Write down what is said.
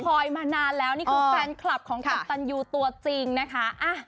คอยมานานแล้วนี่คือแฟนคลับของกัปตันยูตัวจริงนะคะ